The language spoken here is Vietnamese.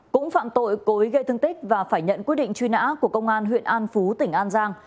cũng phạm tội cối gây thương tích và phải nhận quyết định truy nã của công an huyện an phú tỉnh an giang